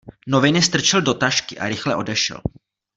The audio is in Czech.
Noviny strčil do tašky a rychle odešel.